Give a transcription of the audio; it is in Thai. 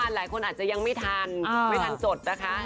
หลายคนก็อาจจะยังไม่ทันจด